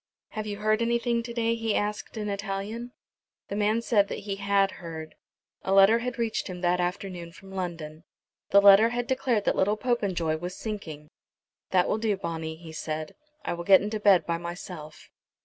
"Have you heard anything to day?" he asked in Italian. The man said that he had heard. A letter had reached him that afternoon from London. The letter had declared that little Popenjoy was sinking. "That will do Bonni," he said. "I will get into bed by myself."